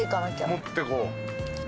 持ってこう。